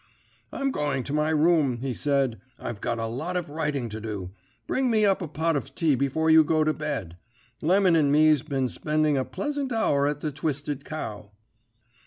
"'I'm going to my room,' he said; 'I've got a lot of writing to do. Bring me up a pot of tea before you go to bed. Lemon and me's been spending a pleasant hour at the Twisted Cow.'